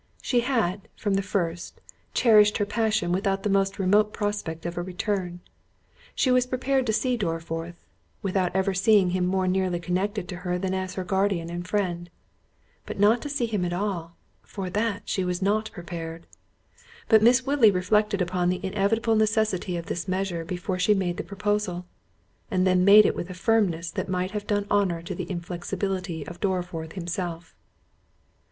She had, from the first, cherished her passion without the most remote prospect of a return—she was prepared to see Dorriforth, without ever seeing him more nearly connected to her than as her guardian and friend; but not to see him at all—for that, she was not prepared. But Miss Woodley reflected upon the inevitable necessity of this measure before she made the proposal; and then made it with a firmness that might have done honour to the inflexibility of Dorriforth himself.